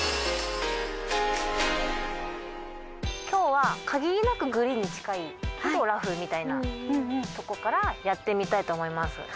今日はかぎりなくグリーンに近いけどラフみたいなとこからやってみたいと思います。